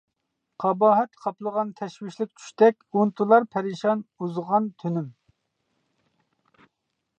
قاباھەت قاپلىغان تەشۋىشلىك چۈشتەك، ئۇنتۇلار پەرىشان ئۇزىغان تۈنۈم.